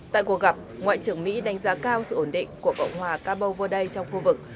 tại cuộc gặp ngoại trưởng mỹ đánh giá cao sự ổn định của cộng hòa cabo verde trong khu vực